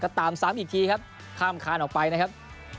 ก็ตามซ้ำอีกทีครับข้ามคานออกไปนะครับ